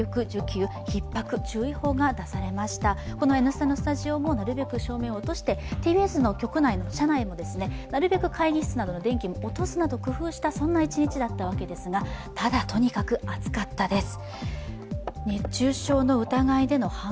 「Ｎスタ」のスタジオもなるべく証明を落として、ＴＢＳの社内も、なるべく会議室の照明を落とすなどそんな一日だったわけですがただ、とにかく暑かったです。